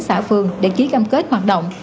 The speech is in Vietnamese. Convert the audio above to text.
xã phường để ký cam kết hoạt động